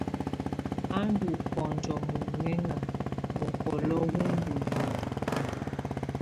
Á ndɔ kɔnjo mɔŋɛŋa, mukɔlo wɔ ndɔ nutǝ.